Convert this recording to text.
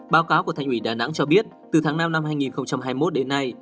báo cáo của thành ủy đà nẵng cho biết từ tháng năm năm hai nghìn hai mươi một đến nay